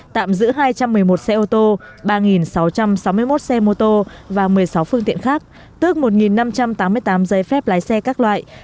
tạm giữ hai trăm một mươi một xe ô tô ba sáu trăm sáu mươi một xe mô tô và một mươi sáu phương tiện khác tức một năm trăm tám mươi tám giấy phép lái xe các loại